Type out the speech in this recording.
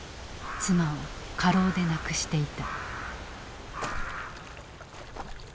妻を過労で亡くしていた。